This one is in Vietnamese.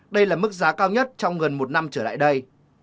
đây là mức giá cao nhất trong gần một năm trở lại đây